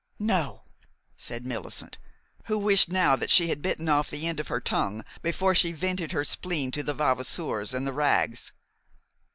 "No," said Millicent, who wished now that she had bitten off the end of her tongue before she vented her spleen to the Vavasours and the Wraggs.